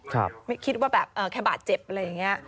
ไม่คิดว่าแบบเออแค่บาดเจ็บอะไรอย่างนี้